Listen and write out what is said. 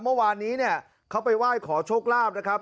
เมื่อวานนี้เนี่ยเขาไปไหว้ขอโชคลาภนะครับ